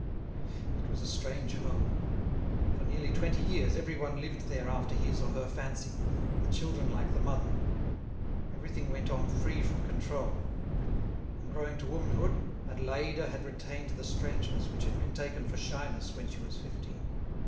It was a strange home. For nearly twenty years everyone lived there after his or her fancy, the children like the mother. Everything went on free from control. In growing to womanhood, Adélaïde had retained the strangeness which had been taken for shyness when she was fifteen.